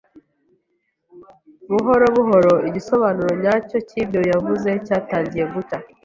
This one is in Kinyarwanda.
Buhoro buhoro igisobanuro nyacyo cyibyo yavuze cyatangiye gucya.